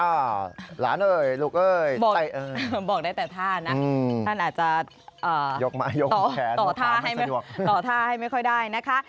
อ่าหลานเอ้ยลูกเอ้ยไตนะั้นอาจจะต่อท่าให้ไม่ค่อยได้นะคะ